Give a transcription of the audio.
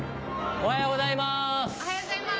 おはようございます。